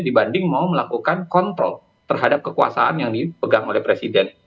dibanding mau melakukan kontrol terhadap kekuasaan yang dipegang oleh presiden